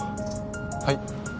はい。